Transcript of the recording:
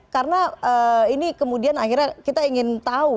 karena ini kemudian akhirnya kita ingin tahu